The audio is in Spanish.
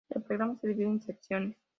El programa se divide en secciones.